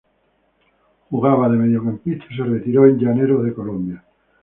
Jugaba de mediocampista y se retiró en Llaneros de Colombia.